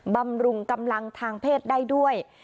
บำรุงกำลังทางเพศได้ด้วย